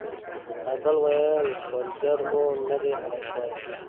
ها بل ويل پر در مو ندي حلال سوى.